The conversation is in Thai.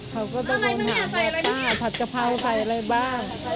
เขาก็ต้องหาข้าวผัดกะเพราใส่อะไรบ้าง